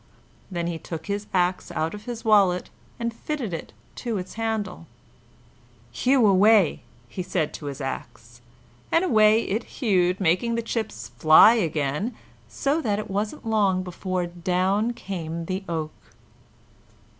Then he took his axe out of his wallet and fitted it to its handle. "Hew away!" said he to his axe; and away it hewed, making the chips fly again, so that it wasn't long before down came the oak.